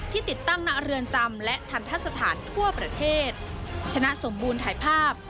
ติดตั้งหน้าเรือนจำและทันทะสถานทั่วประเทศชนะสมบูรณ์ถ่ายภาพ